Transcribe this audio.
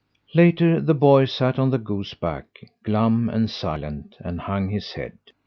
Later the boy sat on the goose back, glum and silent, and hung his head.